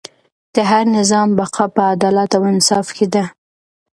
د هر نظام بقا په عدالت او انصاف کې ده.